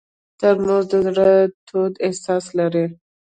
ترموز د زړه تود احساس لري.